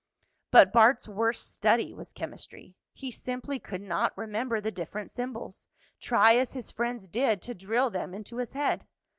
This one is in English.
But Bart's worst study was chemistry. He simply could not remember the different symbols, try as his friends did to drill them into his head.